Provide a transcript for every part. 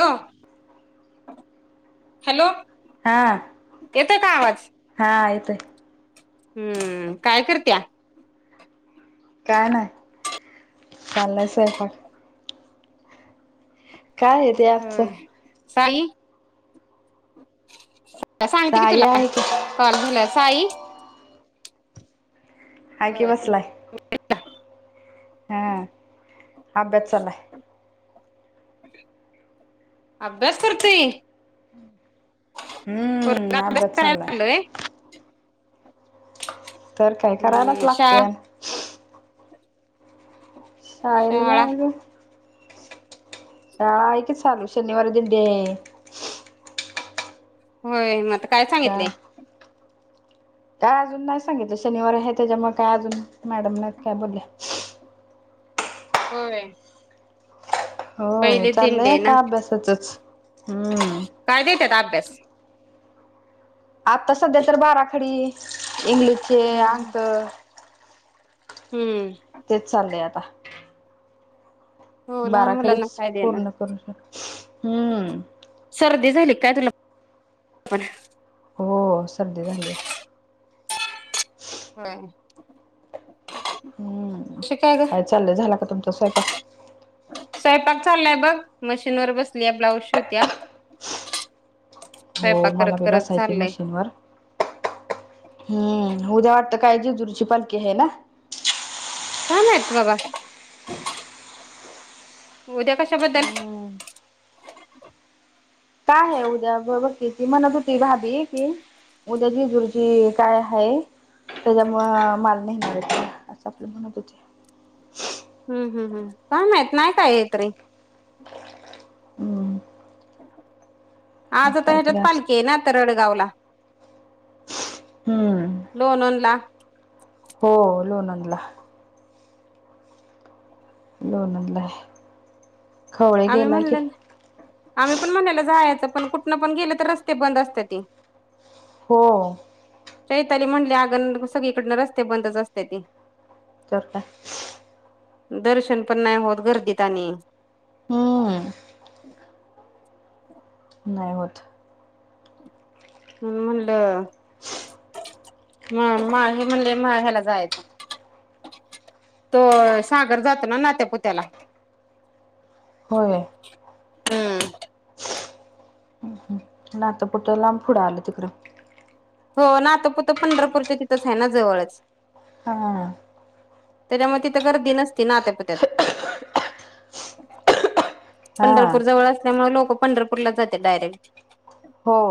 हो. [unintelligible] हॅलो. हा येतोय का आवाज हा आयतय. हम्म काय करत्या. काय नाही चाललंयच आहे फ काय? ते आजचं हम् साई सांगित की साई तुला आहे की कॉल झाला साई ह की बसलाय. हम्म! अभ्यास चालाय. अभ्यास करतेय. हम्म! अभ्यास चालाय. करायला लागलोय तरकाय करायलाच हम्म लागते. शाळा शाळेला शाळा जायचं. शाळा आहे की चालू शनिवारी दिंडी आहे. होय मगं आता काय शाळा सांगितलंय? काय अजून नाही सांगितलं शनिवार आहे त्याच्यामुळे काय अजून मॅडमने काय नाहीत बोलल्या. होय. हो पहिली चाललया दिंडे ना आता अभ्यासाचच. हम्म! काय देतात अभ्यास आत्ता सध्या तर बाराखडी इंग्लिशचे हम्म अंक. हम्म. तेच चाललंय आता हो लहान मुलांना बाराखडीच काय देणार पूर्ण करू शकत हम्म. सर्दी झाली काय तुलाण हो सर्दी झाल्या. [inaudible] हम्म! काय चाललंय, झाला का तुमचा स्वयंपाक? स्वयंपाक चाललाय बघ. मशीन वर बसली या ब्लाऊज शिवत्या. हो स्वयंपाक मला करत बी करत बसायची चाललंय मशीनवर. हम्म! उद्या वाटतं काय जेजुरीची पालखी आहे ना. काय माहित बाबा. उद्या कशाबद्दल? हम्म काय आहे उद्या [unintelligible] म्हणत होती भाभी आहे ती उद्या जेजुरीची काय आहे? त्याच्यामुंळ मला नेणार आहेत असं आपलं म्हणत होती. हम्म! हम्, हम्, काय माहित नाही काय येत रे. हमं! आज आता काहीतरी ह्याच्यात असं पालखी आहे ना तरडगावला. हम्म! लोगंनला. हो लोनंगला. लोनलं आहे. खवळे आम्ही गेलाय की म्हणले आम्ही पण म्हणलेलं जायचं पण कुठनं पण गेलं तर रस्ते बंद असतेती. हो. चैताली म्हणली अग सगळीकडन रस्ते बंदच असतेती. तरं काय. दर्शन पण नाही होत गर्दीत आणि हम्म नाही होत. म्हणून म्हणाल म माहे म्हणले माळ ह्याला जायचं. तो सागर जातो ना नात्यापुत्याला. होय. हम्म! नातंपुत लांब पुढं आलं तिकड. हो नातपुत पंढरपूरच्या तिथंच आहे ना जवळच. हा. त्याच्यामूळ गर्दी नसती नातपुत्यात. हां पंरपूर जवळ असल्यामुळे लोकं पंढरपूरला जाते डायरेक्ट हो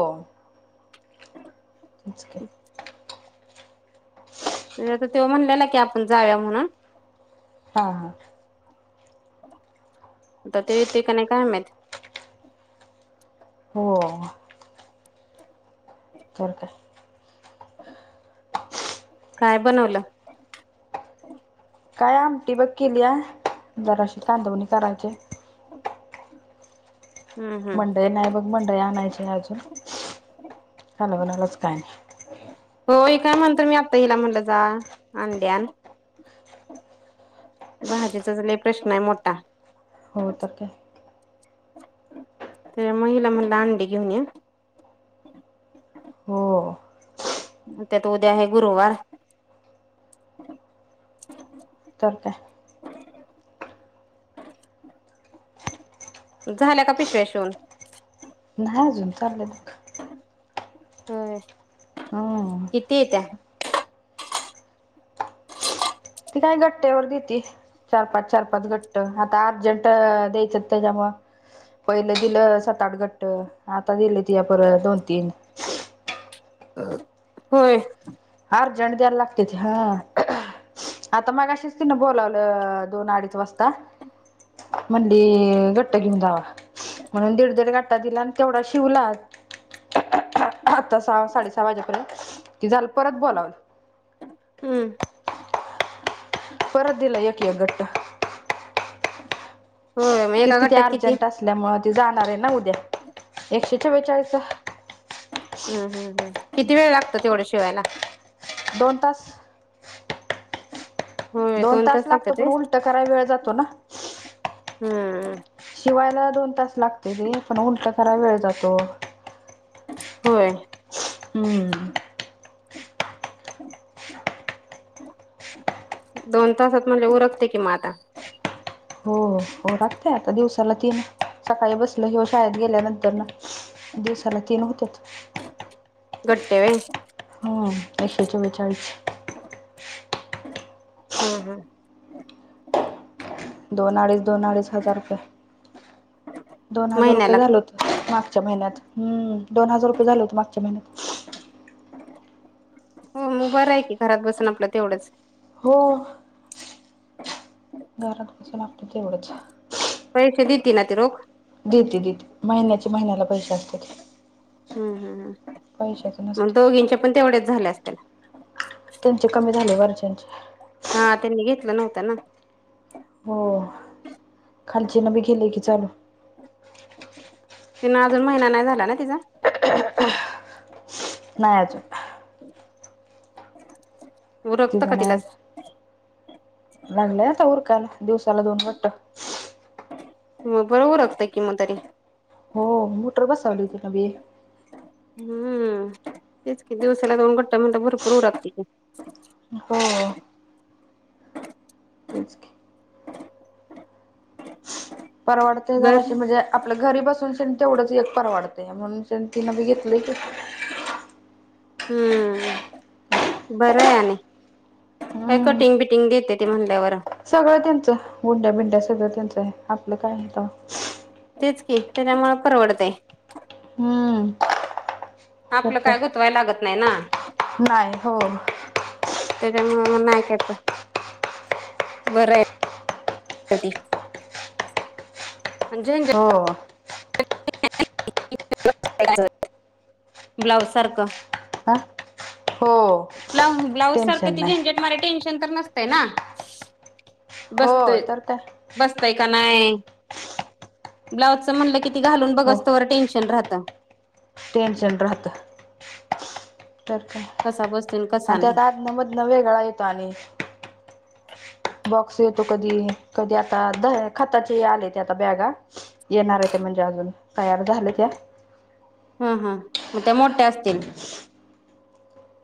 झालं. आता तेव्हा म्हणलेला की, आपण जावूया म्हणून. हा हा. आता त्यो येतोय, कनयं काय माहित? हो. तर [unintelligible] काय काय बनवलं? काय आमटी बघ केलीया, जराशी कांदवणी करायची हाय. [inaudible] हम्म हम्म मंडई नाही बघ, मंडई आणायची अजून, कालवणालाच काय नाही. होय काय, म्हणतो मी आत्ता हिला म्हणलं जा अंडी आण. भाजीचाचं लय प्रश्न आहे मोठा. हो, तर काय? तर म, हिला म्हणालं अंडी घेऊन ये. हो. त्यात उद्या आहे गुरुवार. तर काय? झाल्या का पिशव्या शिवून? नाही अजून चाललयं. होय, हम्म किती येत्या? ती काय गट्ट्यावर देती, चार -पाच, चार- पाच गट्ट आ आता आर्जट द्यायच हायत, त्याच्या मुळ पहिलं दिलं सात आठ गट्ट आता दिलेतिया परत दोन- तीन. अ होय. अर्जंट द्याला लागत्याती हा, आता मगाशीचं तिन बोलावलं दोन -अडीच वाजता. म्हणली गट्ट घेवून जावा. म्हणून दीड दीड गट्टा दिला, आणि तेवढा शिवला. आता सहा साडे सहा वाजेपर्यंत कि, झाल परत बोलावलं. हम्म, परत दिला एक -एक गट्टा. होय मग तेच एका कि ते गट्ट्यात किती अर्जंट असल्यामुळे ते जाणार आहे ना, उद्या एकशे चव्वेचाळीस ह ह ह, किती वेळ लागतो तेवढं शिवायला? दोन तास. दोन तास लागतो, पण उलट कराय वेळ जातो ना. ह ह. शिवायला दोन तास लागते रे, पण उलट कराय वेळ जातो. होय. हम्म, अ. दोन तासात म्हणजे उरकते कि म आता. हो हो, उरकतयं आता दिवसाला तीन सकाळी बसलं कि शाळेत गेल्या नंतर न दिवसाला तीन होत्यात. गट्टे होय. ह एकशे चव्वेचाळीस. हा हा. दोन अडीच दोन अडीच हजार रुपये, दोन हजार रुपये महिन्याला झालंत. मागच्या महिन्यात हम्म, दोन हजार रुपये झाले होते मागच्या महिन्यात. हो, मग बरं आहे की घरात बसून आपलं तेवढंच. हो. घरात कसं लागतयं तेवढंच. पैसे देती ना ती रोख? देते देते महिन्याचे महिन्याला पैसे असतेत. हम्म हम्म हम मग नसतं काय दोघींचे पण तेवढेच झाले असतील. त्यांचे कमी झाले वरचांचे. हा त्यांनी घेतलं नव्हतं ना. हो खालची न बी केलय की चालू. तिन अजून महिना नाही झाला ना तिचा. नाही अजून. उरकतं का तिजण तिला लागलंय आता उरकायला दिवसाला दोन वाट्ट ग बरोबरगतं किंतरी हो मोटर बसावली हो तला बी हम्म तेच की दिवसाला दोन गट्टा म्हणत भरपूर उऊ लागते हो. तेच की. परवडते बर जराशी म्हणजे आपलं घरी बसून सेण तेवढंच एक परवाडतय म्हणून शेंन तीन बी घेतलय की. हम्म. बरं आहे आणि काय हम्म कटिंग बिटिंग देते ते म्हणल्यावर. सगळं त्यांचं गुंड्या, बिंड्या सगळं त्यांचं आहे आपलं काय आहे तवा. तेच की त्याच्यामुळ परवडतय. हम्म. आपलं काय गुतवाय लागत नाही ना. नाही हो त्याच्यामुळे मग नाही का प बरय [unintelligible] अन झेंझट. हो. ब्लाउज सारखं. हा हो. लावून ब्लाऊज सारखं टेन्शन ती नाही झेंझेट मारीे टेन्शन तर नसतय ना. हो बसतय तर काय बसतय का नाही? ब्लाउजचं म्हणलं कि ते घालून बघस्तोवर टेन्शन राहत. टेनशन राहत तर काय. कसा बसतोय न कसा नाही. नव्वद न वेगळा येतो आणि बॉक्स येतो कधी, कधी आता द खताचे आले ते आता बॅगा. येणार आहे ते म्हणजे अजून तयार झालं त्या. हम हम मग ते मोठे असतील?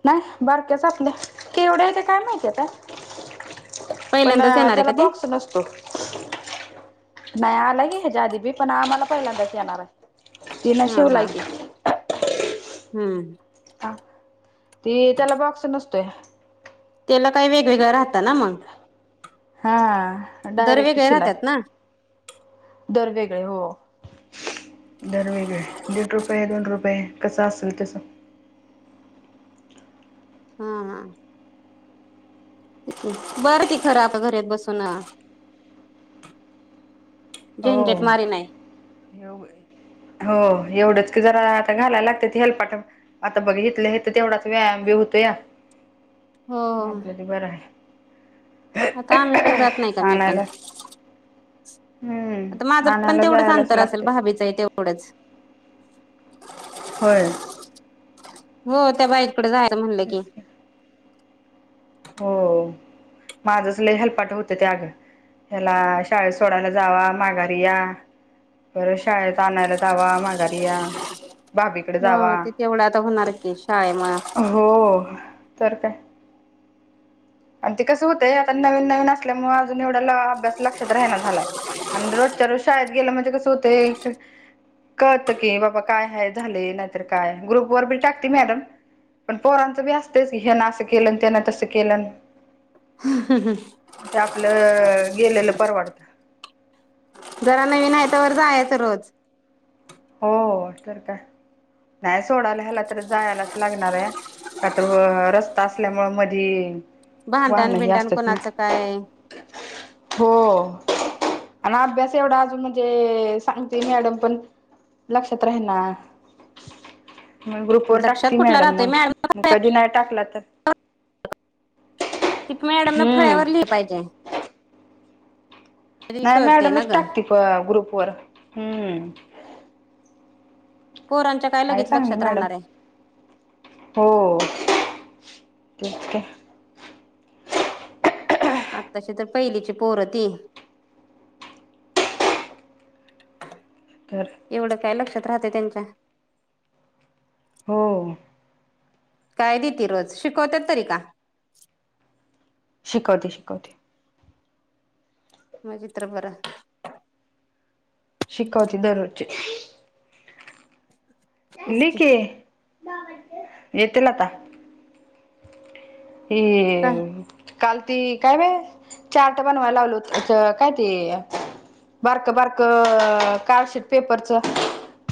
नाही बारक्याच आपल्या कीवढ्या ते काय माहितीय आता? पण पहिल्यांदाच येणार आहे त्याला का ते? बॉक्स नसतो. नाही आलाय की हयाच्याआधीबी पण आम्हाला पहिल्यांदाच येणार आहे. तिनं हम्म हा शिवलाय की हम्म. ह ती त्याला बॉक्स नसतोय. त्याला काही वेगवेगळ्या राहत ना मग. हा दर डायरेक्ट वेगळे शिलाय. राहतात ना दर वेगळे हो. दर वेगळे दीड रुपये, दोन रुपये कसं असेल तस. हां. बरं ती खरं आता घरात बसून. हो. झंझट मारी नाही. हो एवढंच की जरा आता घालायला लागत ते हेल्पाट- आता बघ हितल्या हित तेवढाच व्यायाम बी होतो या. हो आपल्या त बरं आहे. आता आ मी पण जात नाही का मी पण. आणायला हम्म आता माझं पण आणायला तेवढंच जायलाच अंतर असेल लागते भाबी. तेवढंच होय हो त्या बाईककडे जायला म्हणलं की. हो माझच ल हलपाट होतं त्याग- याला शाळेत सोडवायला जावा माघारी या. बर शाळेत आणायला जावा माघारी या. भाभीकडे हो जावा ती तेवढ आता होणार की शाळे मुळ. हो तर काय. आणि ते कसं होतेय आता नवीन नवीन असल्यामुळ अजून एवढ्याला अभ्यास लक्षात राहण झालाय. आणि रोजच्या रोज शाळेत गेलं म्हणजे कसं होतय कळत की बाबा काय ह झाले नाहीतर काय ग्रुप वर ब टाकते मॅडम. पण पोरांचं बी असतंच की ह्याना असं केलं त्याना तसं केलं. ह ह मग ते आपलं गेलेलं परवडतं. जरा नवीन आहे तर वर जायच रोज. हो तर काय नाही सोडायला ह्याला तर जायलाच लागणार आहे. का तर रस्ता असल्यामुळे मधी- भांडण वाहन ही भिंडण असतात ना कोणाचं काय. हो आणि अभ्यास एवढा अजून म्हणजे सांगतेय मॅडम पण. लक्षात राहि ना? मग ग्रुप वर लक्षात टाकती कुठला मॅडम मग मग कधी नाही टाकला तर- तथ मॅडमला हम्म फळ्यावर लिहि पाहिजे. तरी नाही कळते मॅडम ना ग टाकते प ग्रुप वर हम्म. पोरांच्या काय आणि लगेच चांगली लक्षात मॅडम राहणार आहे हो ठीक आहे. आत्ताशी तर पहिलीची पोर ती चच तरर एवढं काय लक्षात राहतं त्यांच्या. हो काय दिती रोज शिकवतात तरी का? शिकवते शिकवते. नाहीतर बर. शिकवती दररोज. तेच की लिकी येतीलल आता. काय ह काल ती काय व चार्ट बनवायला लावलो कायती- बारक बारक कार्डशीट पेपरच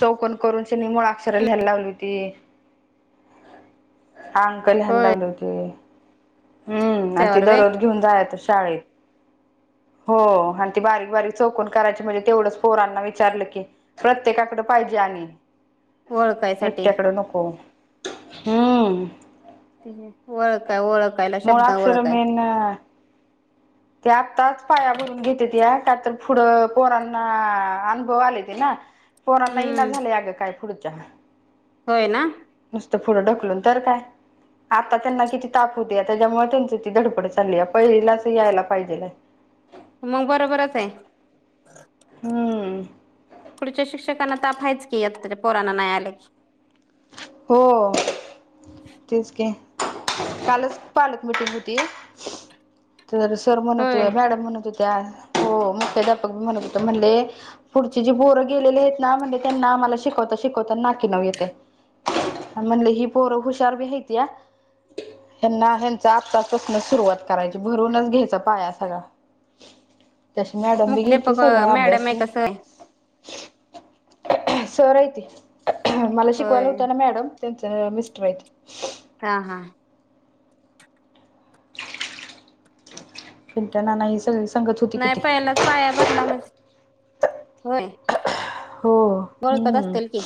चौकन करून श नि मुळा- आक्षर लियला लावली होती अंक ल्याला होय लावले होते. हम्म आणि ती त्यावर वे दररोज घेऊन जायेत शाळेत. हो आणि ती बारीक बारीक चौकून करायची म्हणजे तेवढंच पोरांना विचारलं की- प्रत्येकाकडे पाहिजे आणि- ओळखायसाठी एकट्याकडे नको हम्म. तेठी ओळखय ओळखयला शब्द ओळखय ना ते आत्ताच पाया भरून घेतेत या का तर पुढं पोरांना अनुभव आले ते ना पणा नाही ना हम्म झालं अगं काय पुढच्या होय ना. नुसतं फुढं ढकलून तर काय आता त्यांना किती ताप होते त्याच्यामुळे त्यांची ती धडपड चालली आहे पहिला असं यायला पाहिजे मग बरोबरच आहे हम्म पुढच्या शिकक्ष शकांना तायच की पोरांना न्यायाल हो. तेच की कालच पालक मिटिंग होती. तर सर म्हण होय होते मॅडम म्हणत होत्या हो मुख्याध्यापक म्हणत होत म्हणले पुढचे जे बोरं गेलेले आहेत ना म्हणजे त्यांना आम्हाला शिकवता शिकवता नाके नऊ येतय म्हणले ही पोर हुशार बी हयतीया. हना ह्यांच आत्ताचपासूनच सुरुवात करायची भरूनच घ्यायचा पाया सगळा. [unintelligible] तेशी मॅडम बी घेती मुख्याध्यापक सगळ मॅडम आब्यास आहे की कसं सरहि ते मला होय शिकवायला होत ना मॅडम. त्यांच मिस्टर आहेत. हा हा. पिंट्या नाना भी सगळे स नाही पहिलाच पाया भरला म्हणजे होय. हो ओळखत हम्म. असतील की